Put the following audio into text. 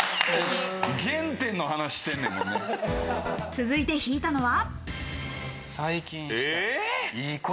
続いて引いたのは。